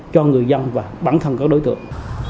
cho người dân và bản thân các đối tượng